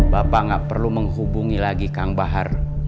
bapak gak perlu menghubungi lagi kang bahar